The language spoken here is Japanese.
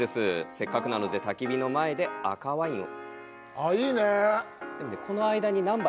せっかくなので、たき火の前で赤ワインを。